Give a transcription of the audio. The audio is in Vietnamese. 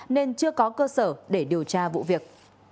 nên chưa có cơ sở để điều tra vụ việc